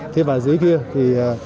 thế và dưới kia thì